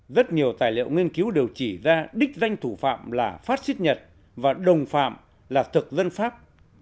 rất nhiều tài liệu nghiên cứu đều chỉ ra đích danh thủ phạm là phát xít nhật và đồng phạm là thực dân pháp